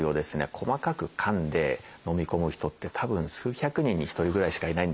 細かくかんでのみ込む人ってたぶん数百人に一人ぐらいしかいないんですよ。